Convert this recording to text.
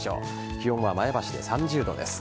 気温は前橋で３０度です。